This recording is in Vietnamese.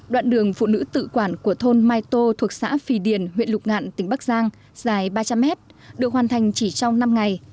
đoạn đường phụ nữ tự quản của thôn mai tô thuộc xã phì điền huyện lục ngạn tỉnh bắc giang dài ba trăm linh mét được hoàn thành chỉ trong năm ngày